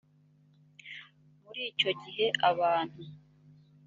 muri icyo gihe abantu